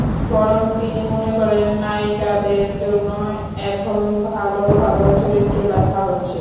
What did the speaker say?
বরং তিনি মনে করেন, নায়িকাদের জন্য এখন ভালো ভালো চরিত্র লেখা হচ্ছে।